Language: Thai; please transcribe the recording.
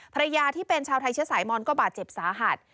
ภรรยาที่เป็นชาวไทยเชื้อสายมอนก็บาดเจ็บสาหัส